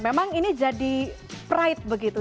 memang ini jadi pride begitu